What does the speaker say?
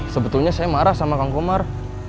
sebetulnya saya marah sama kang komar